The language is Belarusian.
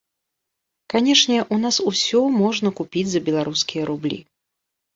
Канешне, у нас усё можна купіць за беларускія рублі.